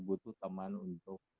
butuh teman untuk